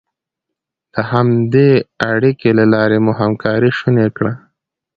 د همدې اړیکې له لارې مو همکاري شونې کړه.